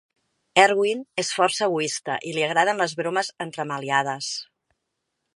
Erwin es força egoista, i li agraden les bromes entremaliades.